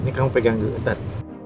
ini kamu pegang dulu bentar